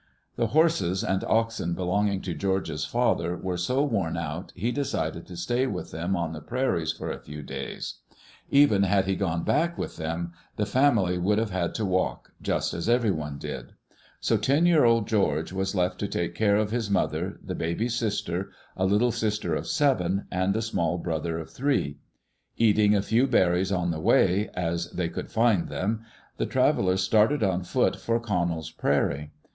The horses and oxen belonging to George's father were so worn out he decided to stay with them on the prairies for a few days. Even had he gone back with them, the Digitized by VjOOQ LC EARLY DAYS IN OLD OREGON family would have had to walk, just as everyone did. So ten year old George was left to take care of his mother, the baby sister, a little sister of seven, and a small brother of three. Eating a few berries on the way, as they could find them, the travelers started on foot for Connell's prairie.